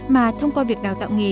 mà thông qua việc đào tạo nghề